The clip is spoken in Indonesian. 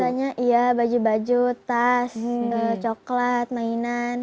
biasanya iya baju baju tas coklat mainan